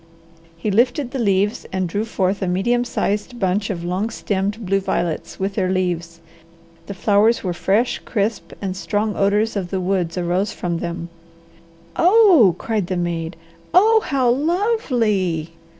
He lifted the leaves and drew forth a medium sized bunch of long stemmed blue violets with their leaves. The flowers were fresh, crisp, and strong odours of the woods arose from them. "Oh!" cried the maid. "Oh, how lovely!"